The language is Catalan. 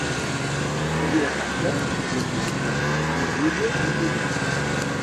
De Vilafranca? No tinguis por: ni pluja ni soldats.